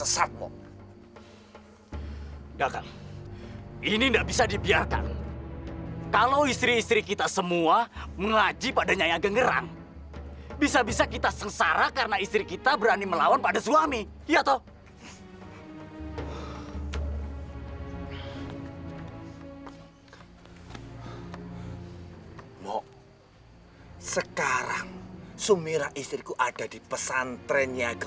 sampai jumpa di video selanjutnya